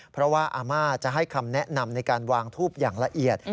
เพราะว่าอาม่าจะให้คำแนะนำในการวางทูบอย่างละเอียด